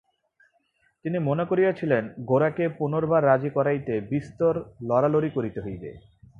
তিনি মনে করিয়াছিলেন গোরাকে পুনর্বার রাজি করাইতে বিস্তর লড়ালড়ি করিতে হইবে।